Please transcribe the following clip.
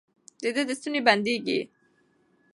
د ده ستونی بندېږي.